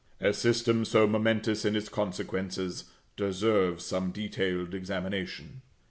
A system so momentous in its consequences deserves some detailed examination.